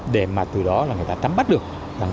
để từ đó là người ta tăng trưởng kinh tế